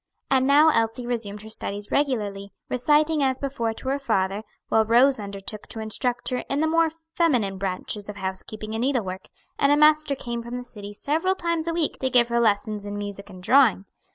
And now Elsie resumed her studies regularly, reciting as before to her father; while Rose undertook to instruct her in the more feminine branches of housekeeping and needlework, and a master came from the city several times a week to give her lessons in music and drawing.